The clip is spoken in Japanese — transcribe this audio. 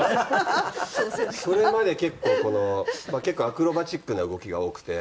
それまで結構このまあ結構アクロバチックな動きが多くて。